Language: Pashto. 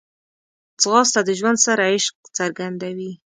ځغاسته د ژوند سره عشق څرګندوي